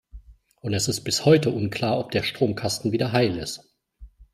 Und es ist bis heute unklar, ob der Stromkasten wieder heil ist.